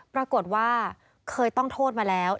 ปรากฏว่าเคยต้องโทษมาแล้ว